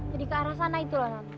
tadi ke arah sana itulah nont